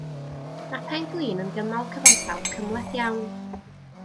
Mae'r pen-glin yn gymal cyfansawdd cymhleth iawn.